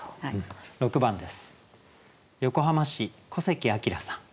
６番です。